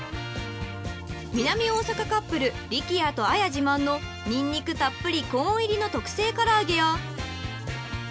［南大阪カップル力也と綾自慢のニンニクたっぷりコーン入りの特製からあげや］